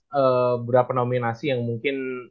beberapa nominasi yang mungkin